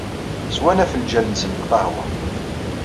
Swan afenǧal-nsen n lqahwa.